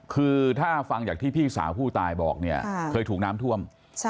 คือถ้าฟังจากที่พี่สาวผู้ตายบอกเนี่ยเคยถูกน้ำท่วม